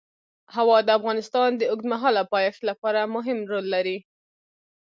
هوا د افغانستان د اوږدمهاله پایښت لپاره مهم رول لري.